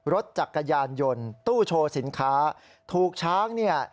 รถจักรยานยนต์ตู้โชว์สินค้าถูกช้างเนี่ย